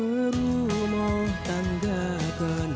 aku suka biasanya